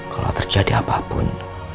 kalau terjadi apapun